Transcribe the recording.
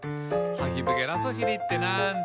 「ハヒブゲラソシリってなんだ？」